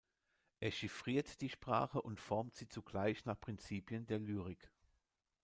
Er chiffriert die Sprache und formt sie zugleich nach Prinzipien der Lyrik.